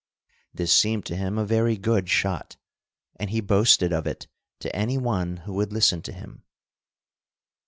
This seemed to him a very good shot, and he boasted of it to any one who would listen to him.